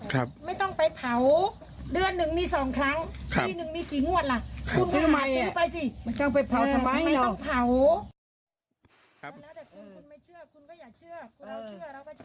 คุณไม่เชื่อกูก็อย่าเชื่อเราจะเชื่อ